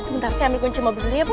sebentar saya ambil kunci mobilnya bu